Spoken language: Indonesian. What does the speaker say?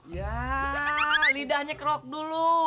ya lidahnya kerok dulu